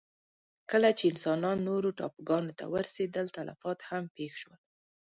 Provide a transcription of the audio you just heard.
کله چې انسانان نورو ټاپوګانو ته ورسېدل، تلفات هم پېښ شول.